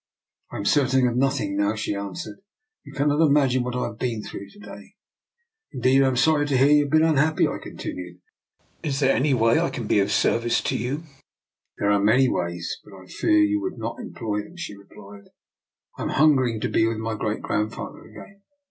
" I am certain of nothing now," she an swered. " You cannot imagine what I have been through to day." " I am indeed sorry to hear you have been unhappy," I continued. " Is there any way in which I can be of service to you? "" There are many ways, but I fear you l8o DR. NIKOLA'S EXPERIMENT. would not employ them," she replied. " I am hungering to be with my great grandfa ther again.